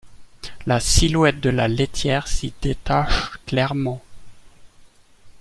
La silhouette de la laitière s'y détache clairement.